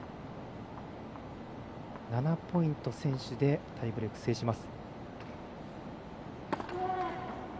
７ポイント先取でタイブレークを制します。